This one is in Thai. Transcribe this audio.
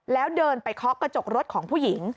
แล้วเดินไปเคาะกระจกรถของผู้หญิง